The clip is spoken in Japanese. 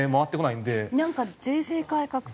なんか税制改革。